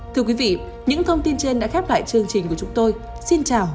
thưa quý vị những thông tin trên đã khép lại chương trình của chúng tôi xin chào và hẹn gặp lại